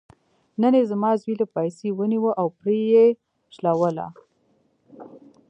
نن یې زما زوی له پایڅې ونیوه او پرې یې شلوله.